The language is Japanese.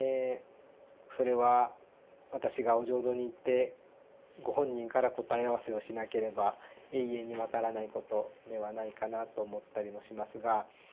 それは私がお浄土に行ってご本人から答え合わせをしなければ永遠に分からないことではないかなと思ったりもしますが。